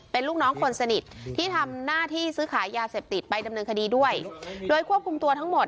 เป็นลูกน้องคนสนิทที่ทำหน้าที่ซื้อขายยาเสพติดไปดำเนินคดีด้วยโดยควบคุมตัวทั้งหมด